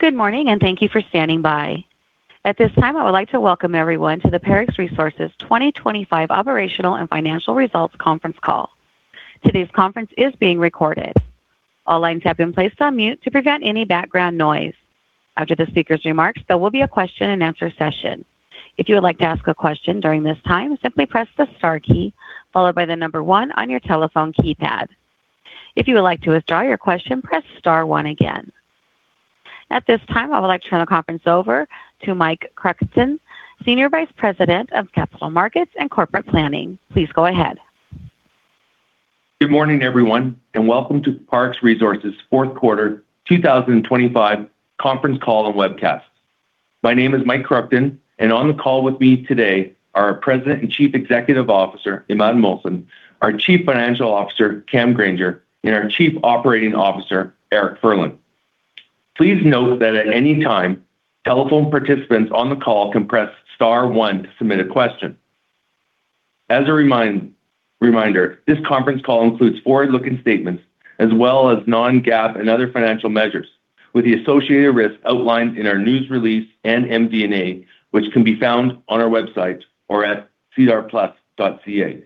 Good morning. Thank you for standing by. At this time, I would like to welcome everyone to the Parex Resources 2025 Operational and Financial Results Conference Call. Today's conference is being recorded. All lines have been placed on mute to prevent any background noise. After the speaker's remarks, there will be a question-and-answer session. If you would like to ask a question during this time, simply press the star key followed by the number one on your telephone keypad. If you would like to withdraw your question, press star one again. At this time, I would like to turn the conference over to Mike Kruchten, Senior Vice President of Capital Markets and Corporate Planning. Please go ahead. Good morning, everyone. Welcome to Parex Resources' 4th quarter 2025 conference call and webcast. My name is Mike Kruchten. On the call with me today are our President and Chief Executive Officer, Imad Mohsen, our Chief Financial Officer, Cam Grainger, and our Chief Operating Officer, Eric Furlan. Please note that at any time, telephone participants on the call can press star 1 to submit a question. As a reminder, this conference call includes forward-looking statements as well as non-GAAP and other financial measures with the associated risks outlined in our news release and MD&A, which can be found on our website or at SEDAR+.ca.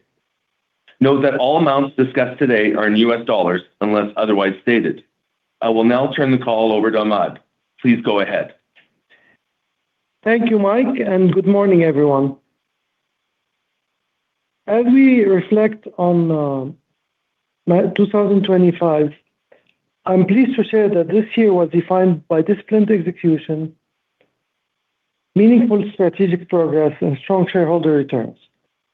Note that all amounts discussed today are in US dollars unless otherwise stated. I will now turn the call over to Imad. Please go ahead. Thank you, Mike, and good morning, everyone. As we reflect on 2025, I'm pleased to share that this year was defined by disciplined execution, meaningful strategic progress, and strong shareholder returns,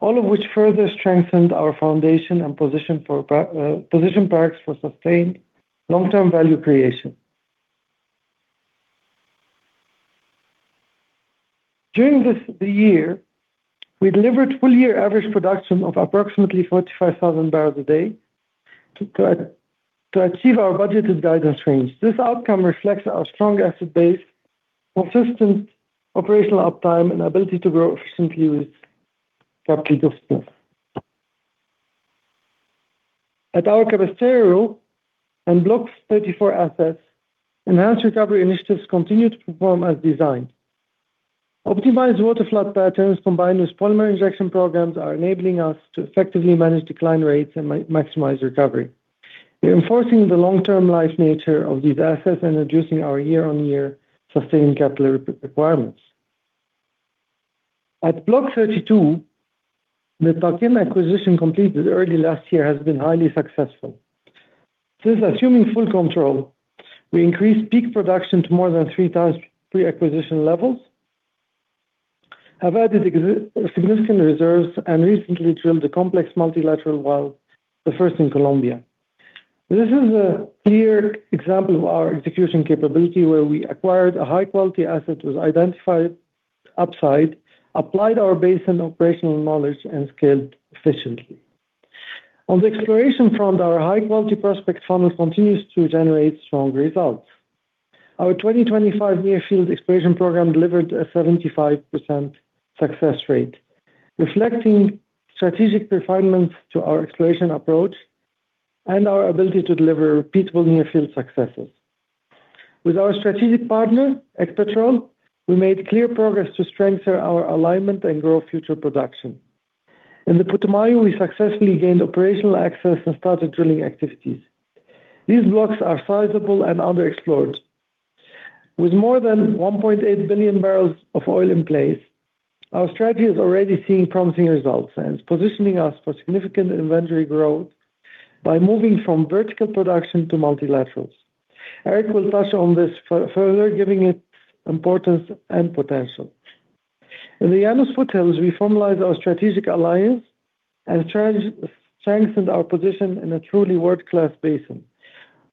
all of which further strengthened our foundation and positioned Parex for sustained long-term value creation. During the year, we delivered full-year average production of approximately 45,000 barrels a day to achieve our budgeted guidance range. This outcome reflects our strong asset base, consistent operational uptime, and ability to grow efficiently with capital spend. At our Cabrestero and Blocks 34 assets, enhanced recovery initiatives continued to perform as designed. Optimized waterflood patterns combined with polymer injection programs are enabling us to effectively manage decline rates and maximize recovery, reinforcing the long-term life nature of these assets and reducing our year-on-year sustained capital requirements. At Block 32, the Takema acquisition completed early last year has been highly successful. Since assuming full control, we increased peak production to more than 3x pre-acquisition levels, have added significant reserves, and recently drilled a complex multilateral well, the first in Colombia. This is a clear example of our execution capability, where we acquired a high-quality asset, with identified upside, applied our basin operational knowledge, and scaled efficiently. On the exploration front, our high-quality prospect funnel continues to generate strong results. Our 2025 near field exploration program delivered a 75% success rate, reflecting strategic refinements to our exploration approach and our ability to deliver repeatable near field successes. With our strategic partner, Ecopetrol, we made clear progress to strengthen our alignment and grow future production. In the Putumayo, we successfully gained operational access and started drilling activities. These blocks are sizable and underexplored. With more than 1.8 billion barrels of oil in place, our strategy is already seeing promising results and is positioning us for significant inventory growth by moving from vertical production to multilaterals. Eric will touch on this further, giving it importance and potential. In the Llanos Foothills, we formalized our strategic alliance and strengthened our position in a truly world-class basin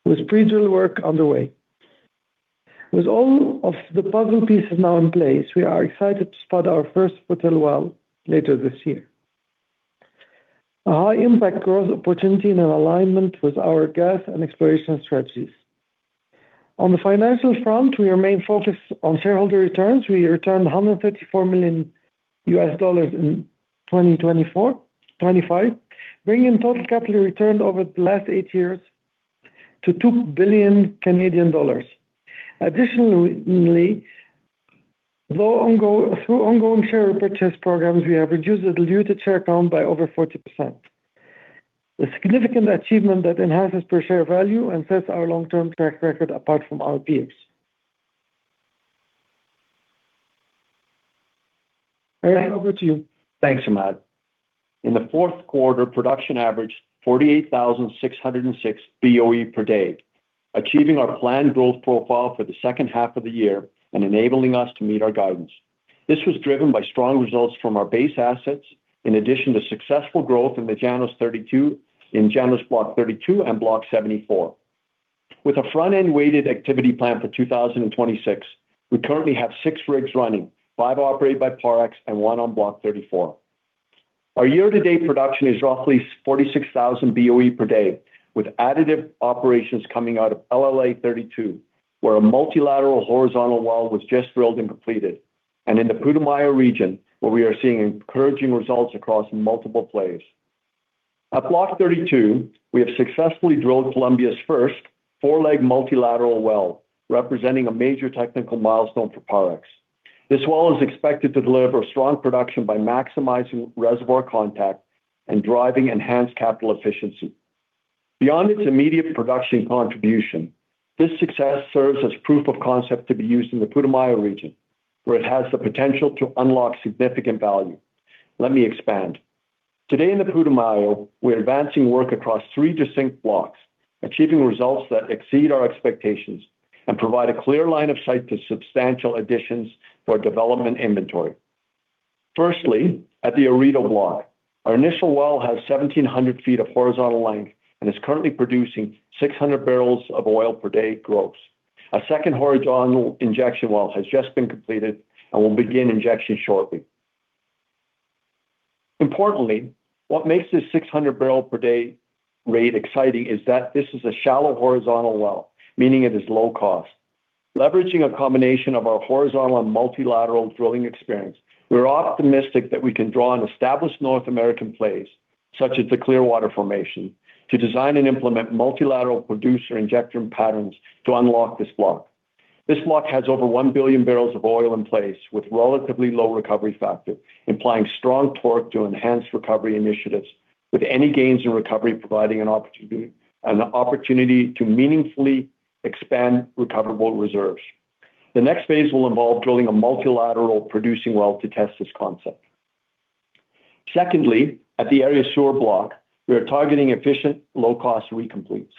with pre-drill work underway. With all of the puzzle pieces now in place, we are excited to start our first foothill well later this year. A high-impact growth opportunity and an alignment with our gas and exploration strategies. On the financial front, we remain focused on shareholder returns. We returned $134 million in 2025, bringing total capital return over the last eight years to 2 billion Canadian dollars. Additionally, through ongoing share repurchase programs, we have reduced the diluted share count by over 40%. A significant achievement that enhances per-share value and sets our long-term track record apart from our peers. Eric, over to you. Thanks, Imad. In the fourth quarter, production averaged 48,606 BOE per day, achieving our planned growth profile for the second half of the year and enabling us to meet our guidance. This was driven by strong results from our base assets, in addition to successful growth in Llanos Block 32 and Block 74. With a front-end-weighted activity plan for 2026, we currently have six rigs running, five operated by Parex and one on Block 34. Our year-to-date production is roughly 46,000 BOE per day, with additive operations coming out of LLA-32, where a multilateral horizontal well was just drilled and completed, and in the Putumayo region, where we are seeing encouraging results across multiple plays. At Block 32, we have successfully drilled Colombia's first four-leg multilateral well, representing a major technical milestone for Parex. This well is expected to deliver strong production by maximizing reservoir contact and driving enhanced capital efficiency. Beyond its immediate production contribution, this success serves as proof of concept to be used in the Putumayo region, where it has the potential to unlock significant value. Let me expand. Today in the Putumayo, we're advancing work across 3 distinct blocks, achieving results that exceed our expectations and provide a clear line of sight to substantial additions to our development inventory. Firstly, at the Arida block, our initial well has 1,700 feet of horizontal length and is currently producing 600 barrels of oil per day gross. A second horizontal injection well has just been completed and will begin injection shortly. Importantly, what makes this 600 barrel per day rate exciting is that this is a shallow horizontal well, meaning it is low cost. Leveraging a combination of our horizontal and multilateral drilling experience, we're optimistic that we can draw on established North American plays, such as the Clearwater Formation, to design and implement multilateral producer injection patterns to unlock this block. This block has over 1 billion barrels of oil in place with relatively low recovery factor, implying strong torque to enhance recovery initiatives with any gains in recovery, providing an opportunity to meaningfully expand recoverable reserves. The next phase will involve drilling a multilateral producing well to test this concept. Secondly, at the Area Sur block, we are targeting efficient, low-cost recompletes.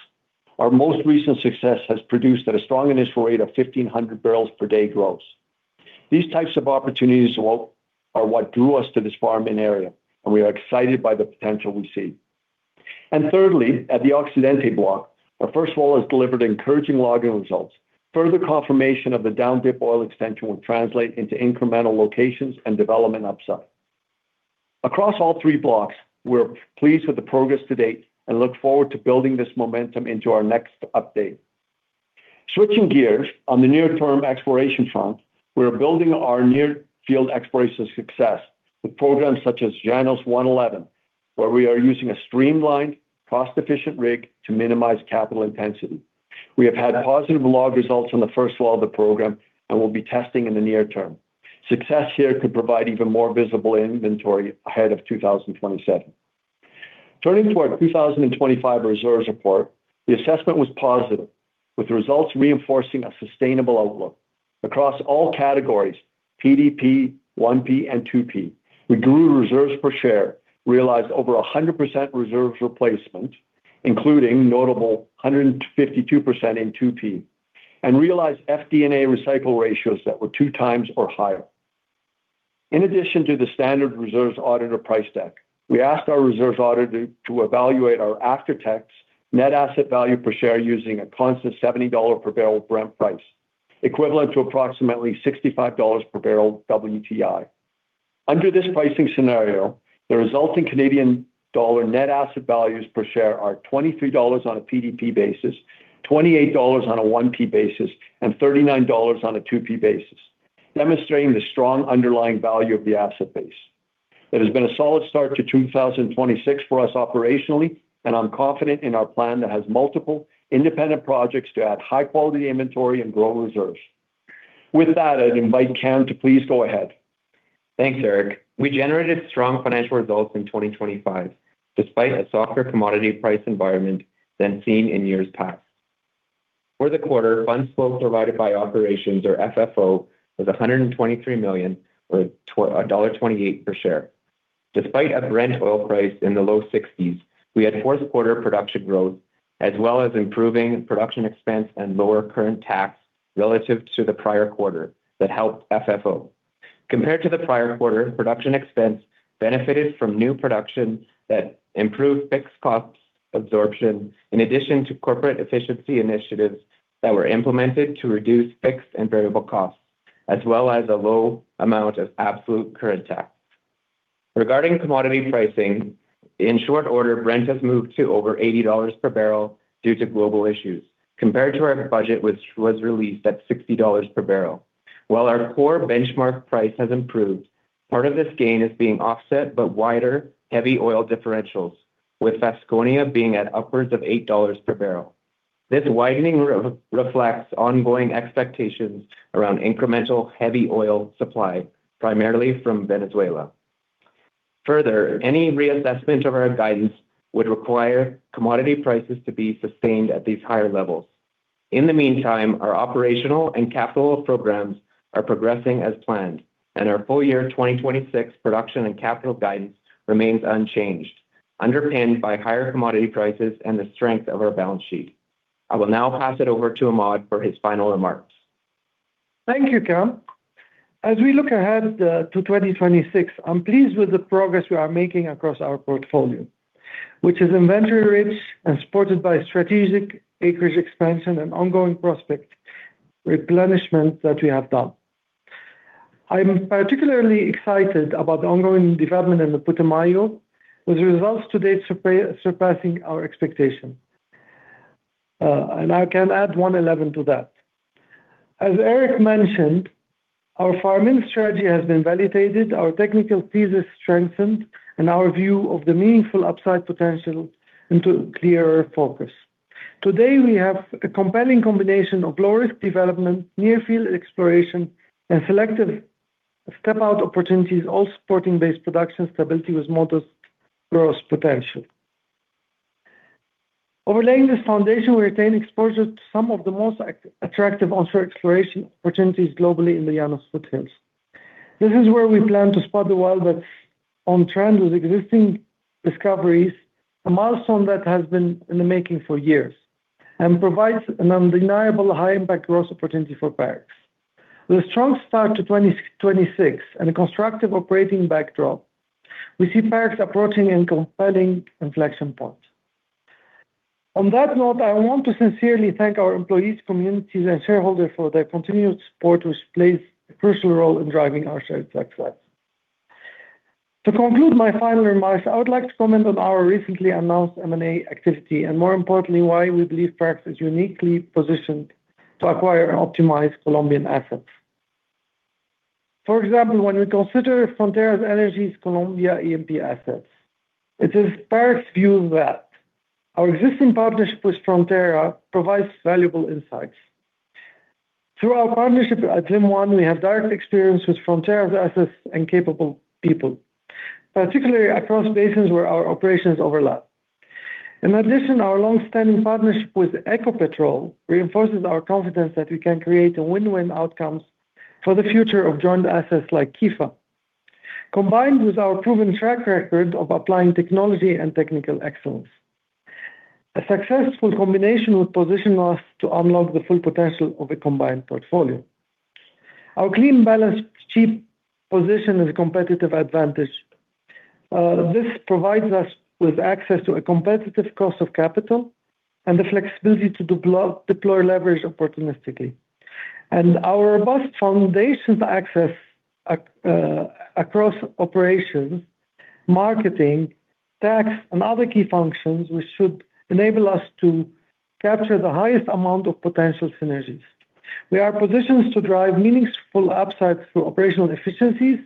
Our most recent success has produced at a strong initial rate of 1,500 barrels per day gross. These types of opportunities are what drew us to this farming area. We are excited by the potential we see. Thirdly, at the Occidente block, our first well has delivered encouraging logging results. Further confirmation of the down dip oil extension will translate into incremental locations and development upside. Across all three blocks, we're pleased with the progress to date and look forward to building this momentum into our next update. Switching gears on the near-term exploration front, we are building our near field exploration success with programs such as LLA-111, where we are using a streamlined cost-efficient rig to minimize capital intensity. We have had positive log results on the first well of the program and will be testing in the near term. Success here could provide even more visible inventory ahead of 2027. Turning to our 2025 reserves report, the assessment was positive, with results reinforcing a sustainable outlook across all categories, PDP, 1P and 2P. We grew reserves per share, realized over 100% reserves replacement, including notable 152% in 2P, and realized FD&A recycle ratios that were 2x or higher. In addition to the standard reserves auditor price deck, we asked our reserves auditor to evaluate our after-tax net asset value per share using a constant $70 per barrel Brent price, equivalent to approximately $65 per barrel WTI. Under this pricing scenario, the resulting Canadian dollar net asset values per share are 23 dollars on a PDP basis, 28 dollars on a 1P basis, and 39 dollars on a 2P basis, demonstrating the strong underlying value of the asset base. It has been a solid start to 2026 for us operationally, and I'm confident in our plan that has multiple independent projects to add high-quality inventory and grow reserves. With that, I'd invite Cam to please go ahead. Thanks, Eric. We generated strong financial results in 2025 despite a softer commodity price environment than seen in years past. For the quarter, funds flow provided by operations or FFO was $123 million or $1.28 per share. Despite a Brent oil price in the low 60s, we had fourth quarter production growth as well as improving production expense and lower current tax relative to the prior quarter that helped FFO. Compared to the prior quarter, production expense benefited from new production that improved fixed costs absorption in addition to corporate efficiency initiatives that were implemented to reduce fixed and variable costs, as well as a low amount of absolute current tax. Regarding commodity pricing, in short order, Brent has moved to over $80 per barrel due to global issues compared to our budget, which was released at $60 per barrel. While our core benchmark price has improved, part of this gain is being offset by wider heavy oil differentials, with Vasconia being at upwards of $8 per barrel. This widening re-reflects ongoing expectations around incremental heavy oil supply, primarily from Venezuela. Further, any reassessment of our guidance would require commodity prices to be sustained at these higher levels. In the meantime, our operational and capital programs are progressing as planned, and our full year 2026 production and capital guidance remains unchanged, underpinned by higher commodity prices and the strength of our balance sheet. I will now pass it over to Imad for his final remarks. Thank you, Cam. As we look ahead to 2026, I'm pleased with the progress we are making across our portfolio, which is inventory-rich and supported by strategic acreage expansion and ongoing prospect replenishment that we have done. I'm particularly excited about the ongoing development in the Putumayo, with results to date surpassing our expectation. I can add 111 to that. As Eric mentioned, our farming strategy has been validated, our technical thesis strengthened, and our view of the meaningful upside potential into clearer focus. Today, we have a compelling combination of low-risk development, near field exploration, and selective step out opportunities, all supporting base production stability with modest growth potential. Overlaying this foundation, we retain exposure to some of the most attractive onshore exploration opportunities globally in the Llanos Foothills. This is where we plan to spot the wild, but on trend with existing discoveries, a milestone that has been in the making for years and provides an undeniable high impact growth opportunity for Parex. With a strong start to 2026 and a constructive operating backdrop, we see Parex approaching a compelling inflection point. On that note, I want to sincerely thank our employees, communities, and shareholders for their continued support, which plays a crucial role in driving our shared success. To conclude my final remarks, I would like to comment on our recently announced M&A activity and more importantly, why we believe Parex is uniquely positioned to acquire and optimize Colombian assets. For example, when we consider Frontera Energy's Colombia E&P assets, it is Parex view that our existing partnership with Frontera provides valuable insights. Through our partnership at VIM-1, we have direct experience with Frontera's assets and capable people, particularly across basins where our operations overlap. In addition, our long-standing partnership with Ecopetrol reinforces our confidence that we can create a win-win outcomes for the future of joint assets like Quifa. Combined with our proven track record of applying technology and technical excellence. A successful combination would position us to unlock the full potential of a combined portfolio. Our clean balance sheet position is a competitive advantage. This provides us with access to a competitive cost of capital and the flexibility to deploy leverage opportunistically. Our robust foundations access across operations, marketing, tax, and other key functions, which should enable us to capture the highest amount of potential synergies. We are positioned to drive meaningful upsides through operational efficiencies,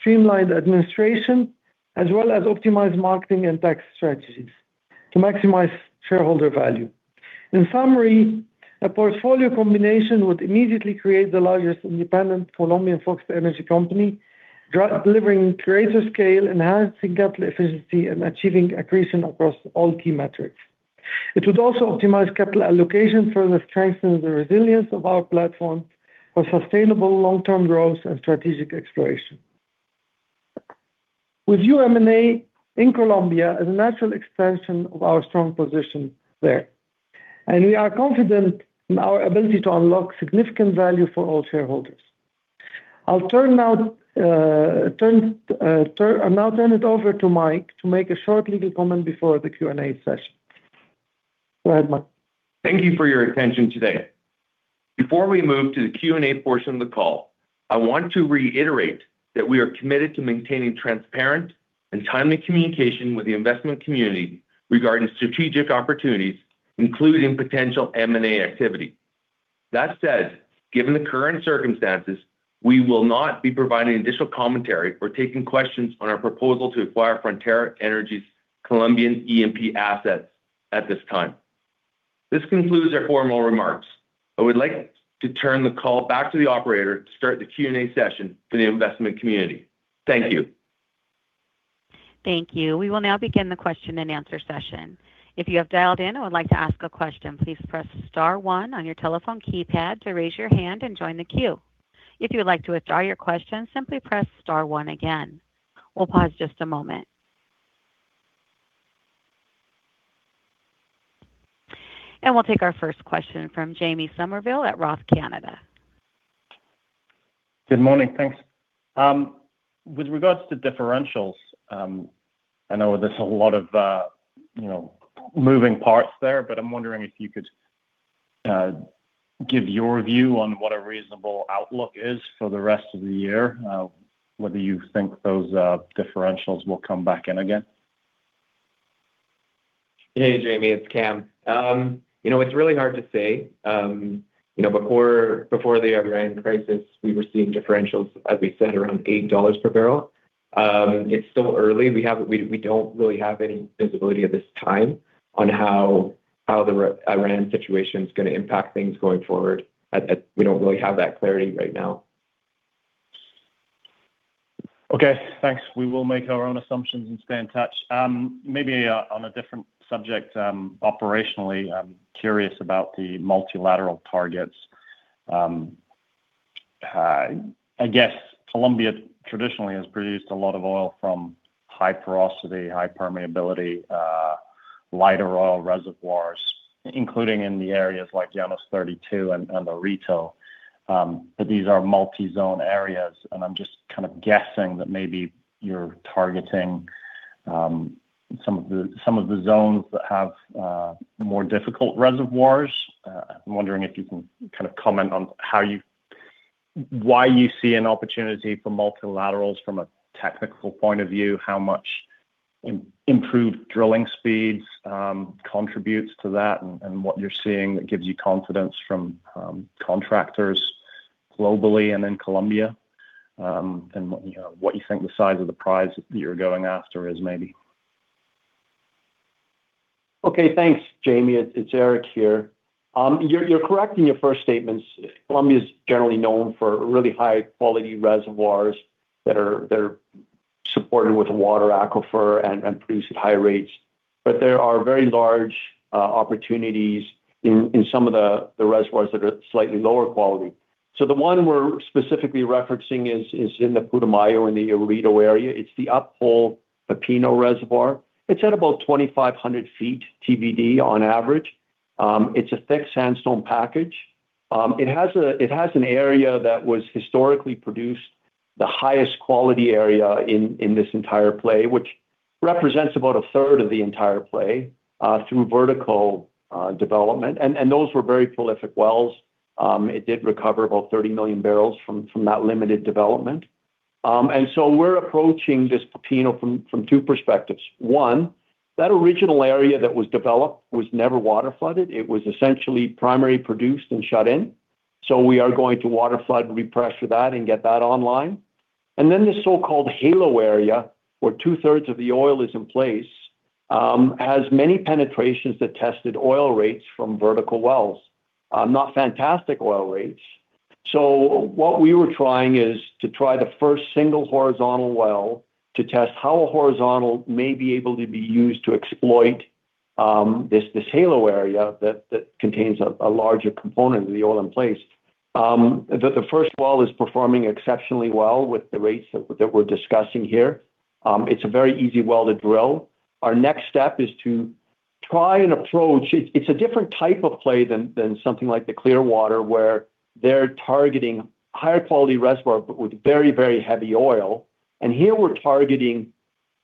streamlined administration, as well as optimize marketing and tax strategies to maximize shareholder value. In summary, a portfolio combination would immediately create the largest independent Colombian focused energy company, delivering greater scale, enhancing capital efficiency, and achieving accretion across all key metrics. It would also optimize capital allocation, further strengthen the resilience of our platform for sustainable long-term growth and strategic exploration. With view M&A in Colombia as a natural extension of our strong position there. We are confident in our ability to unlock significant value for all shareholders. I'll now turn it over to Mike to make a short legal comment before the Q&A session. Go ahead, Mike. Thank you for your attention today. Before we move to the Q&A portion of the call, I want to reiterate that we are committed to maintaining transparent and timely communication with the investment community regarding strategic opportunities, including potential M&A activity. That said, given the current circumstances, we will not be providing additional commentary or taking questions on our proposal to acquire Frontera Energy's Colombian E&P assets at this time. This concludes our formal remarks. I would like to turn the call back to the operator to start the Q&A session for the investment community. Thank you. Thank you. We will now begin the question and answer session. If you have dialed in or would like to ask a question, please press star one on your telephone keypad to raise your hand and join the queue. If you would like to withdraw your question, simply press star one again. We'll pause just a moment. We'll take our first question from Jamie Somerville at Roth Canada. Good morning. Thanks. With regards to differentials, I know there's a lot of, you know, moving parts there, but I'm wondering if you could give your view on what a reasonable outlook is for the rest of the year, whether you think those differentials will come back in again? Hey, Jamie, it's Cam. you know, it's really hard to say. you know, before the Iran crisis, we were seeing differentials, as we said, around $8 per barrel. it's still early. We don't really have any visibility at this time on how the Iran situation is gonna impact things going forward. we don't really have that clarity right now. Okay, thanks. We will make our own assumptions and stay in touch. Maybe on a different subject, operationally, I'm curious about the multilateral targets. I guess Colombia traditionally has produced a lot of oil from high porosity, high permeability, lighter oil reservoirs, including in the areas like Llanos 32 and Orito. These are multi-zone areas, and I'm just kind of guessing that maybe you're targeting some of the zones that have more difficult reservoirs. I'm wondering if you can kind of comment on why you see an opportunity for multilaterals from a technical point of view, how much improved drilling speeds contributes to that and what you're seeing that gives you confidence from contractors globally and in Colombia, and you know what you think the size of the prize that you're going after is maybe? Thanks, Jamie. It's Eric here. You're correct in your first statements. Colombia is generally known for really high quality reservoirs that are supported with water aquifer and produce at high rates. There are very large opportunities in some of the reservoirs that are slightly lower quality. The one we're specifically referencing is in the Putumayo, in the Llanos area. It's the uphole Pepino Reservoir. It's at about 2,500 feet TVD on average. It's a thick sandstone package. It has an area that was historically produced the highest quality area in this entire play, which represents about a third of the entire play through vertical development. Those were very prolific wells. It did recover about 30 million barrels from that limited development. We're approaching this Pepino from two perspectives. One, that original area that was developed was never waterflooded. It was essentially primary produced and shut in. We are going to waterflood, repressure that, and get that online. The so-called halo area, where two-thirds of the oil is in place, has many penetrations that tested oil rates from vertical wells. Not fantastic oil rates. What we were trying is to try the first single horizontal well to test how a horizontal may be able to be used to exploit this halo area that contains a larger component of the oil in place. The first well is performing exceptionally well with the rates that we're discussing here. It's a very easy well to drill. Our next step is to try and approach... It's a different type of play than something like the Clearwater, where they're targeting higher quality reservoir but with very, very heavy oil. Here we're targeting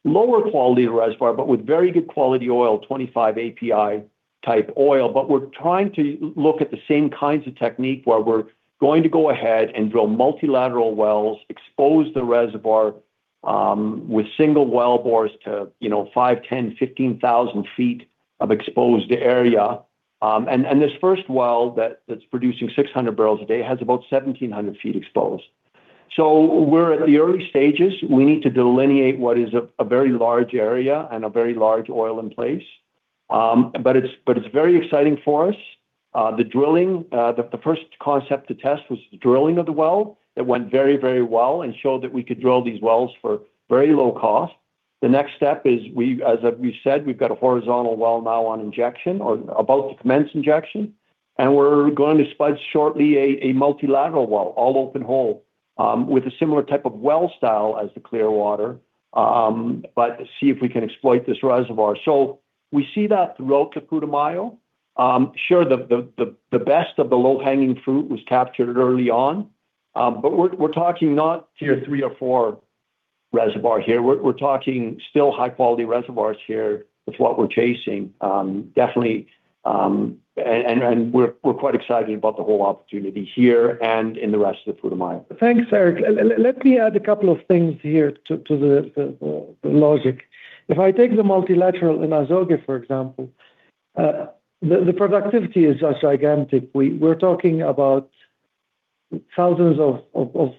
lower quality reservoir, but with very good quality oil, 25 API type oil. We're trying to look at the same kinds of technique where we're going to go ahead and drill multilateral wells, expose the reservoir with single wellbores to, you know, five, 10, 15 thousand feet of exposed area. This first well that's producing 600 barrels a day has about 1,700 feet exposed. We're at the early stages. We need to delineate what is a very large area and a very large oil in place. It's very exciting for us. The drilling, the first concept to test was the drilling of the well. It went very, very well and showed that we could drill these wells for very low cost. The next step is as we said, we've got a horizontal well now on injection or about to commence injection, and we're going to spud shortly a multilateral well, all open hole, with a similar type of well style as the Clearwater, but see if we can exploit this reservoir. We see that throughout the Putumayo. Sure, the best of the low-hanging fruit was captured early on. But we're talking not tier three or four reservoir here. We're talking still high-quality reservoirs here with what we're chasing, definitely. We're quite excited about the whole opportunity here and in the rest of the Putumayo. Thanks, Eric. Let me add a couple of things here to the logic. If I take the multilateral in Azogue, for example, the productivity is just gigantic. We're talking about thousands of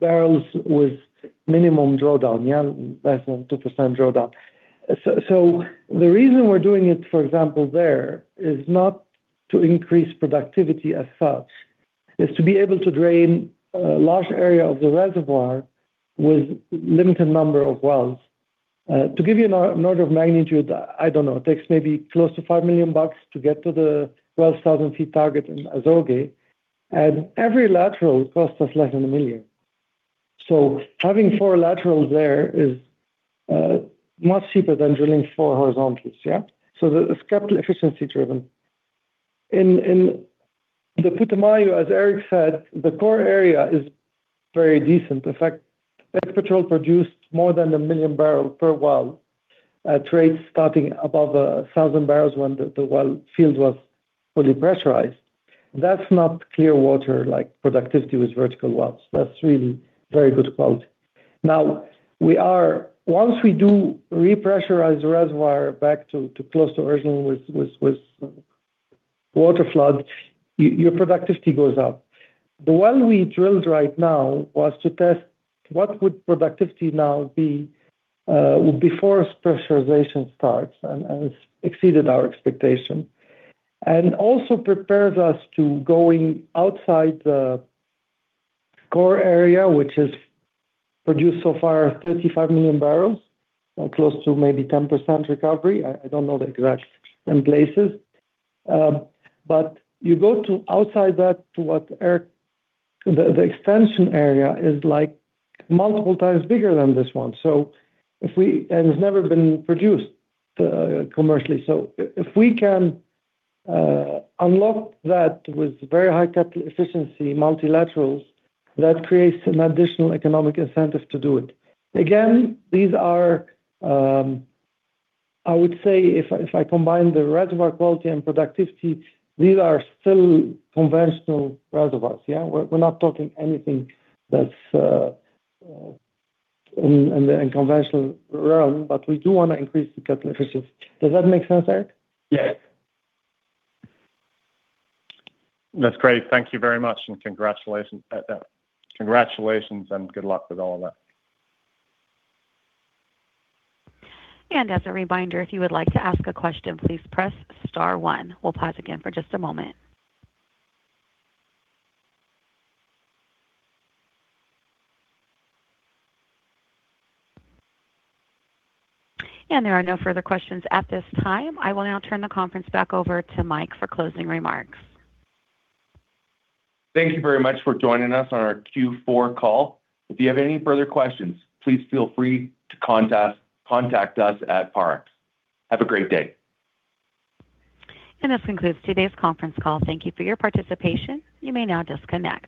barrels with minimum drawdown, yeah, less than 2% drawdown. The reason we're doing it, for example, there is not to increase productivity as such. It's to be able to drain a large area of the reservoir with limited number of wells. To give you an order of magnitude, I don't know, it takes maybe close to $5 million to get to the 12,000 feet target in Azogue. Every lateral costs us less than $1 million. Having four terals there is much cheaper than drilling four horizontals, yeah. It's capital efficiency driven. In the Putumayo, as Eric said, the core area is very decent. In fact, Ecopetrol produced more than 1 million barrels per well, trades starting above 1,000 barrels when the well field was fully pressurized. That's not Clearwater-like productivity with vertical wells. That's really very good quality. Now, Once we do repressurize the reservoir back to close to original with waterflood, your productivity goes up. The one we drilled right now was to test what would productivity now be before pressurization starts, and it's exceeded our expectation. Also prepares us to going outside the core area, which has produced so far 35 million barrels, close to maybe 10% recovery. I don't know the exact in places. You go to outside that to what Eric... The extension area is, like, multiple times bigger than this one. If we-- And it's never been produced commercially. If we can unlock that with very high capital efficiency multilaterals, that creates an additional economic incentive to do it. Again, these are... I would say if I combine the reservoir quality and productivity, these are still conventional reservoirs, yeah. We're not talking anything that's in the unconventional realm, but we do wanna increase the capital efficiency. Does that make sense, Eric? Yes. That's great. Thank you very much, and congratulations. congratulations and good luck with all of that. As a reminder, if you would like to ask a question, please press star 1. We'll pause again for just a moment. There are no further questions at this time. I will now turn the conference back over to Mike for closing remarks. Thank you very much for joining us on our Q4 call. If you have any further questions, please feel free to contact us at Parex. Have a great day. This concludes today's conference call. Thank you for your participation. You may now disconnect.